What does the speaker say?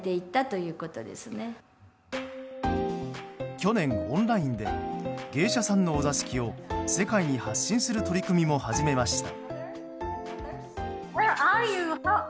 去年、オンラインで芸者さんのお座敷を世界に発信する取り組みも始めました。